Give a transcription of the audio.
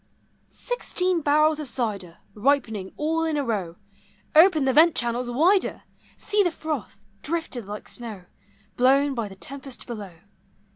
Sixteen barrels of cider Ripening all in a row! Open the vent channels wider! See the froth, drifted like snow, Blown by the tempest below